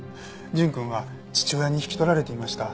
純くんは父親に引き取られていました。